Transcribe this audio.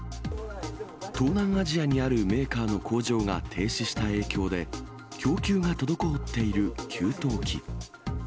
東南アジアにあるメーカーの工場が停止した影響で、供給が滞っている給湯器。